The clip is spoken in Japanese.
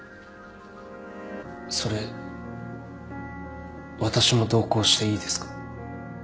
それ私も同行していいですか？